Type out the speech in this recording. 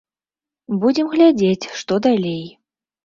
Будзем глядзець, што далей.